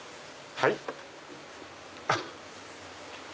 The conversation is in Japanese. はい。